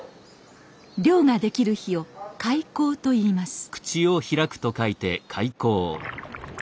漁ができる日を「開口」と言います。